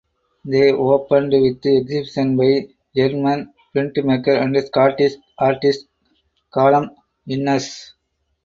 They opened with exhibitions by German printmaker and Scottish artist Callum Innes.